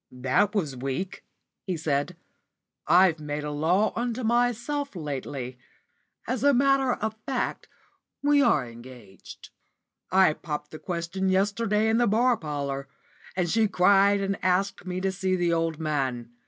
"That was weak," he said. "I've made a law unto myself lately. As a matter of fact we are engaged. I popped the question yesterday in the bar parlour, and she cried and asked me to see the old man.